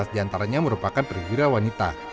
delapan belas di antaranya merupakan perwira wanita